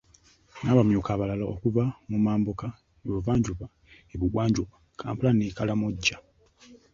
N’abamyuka abalala okuva mu Mambuka, e Buvanjuba, e Bugwanjuba, Kampala ne Karamoja.